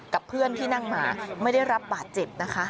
กับเพื่อนที่นั่งมาไม่ได้รับบาดเจ็บนะคะ